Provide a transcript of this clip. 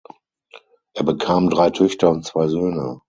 Er bekam drei Töchter und zwei Söhne.